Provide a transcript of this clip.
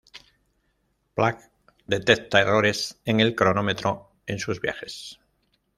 Bligh detecta errores en el cronómetro en sus viajes.